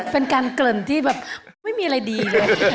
เป็นการเกริ่นที่แบบไม่มีอะไรดีไง